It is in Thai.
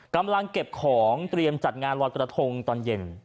กำลังเก็บของเตรียมจัดงานรอยกระทงตอนเย็น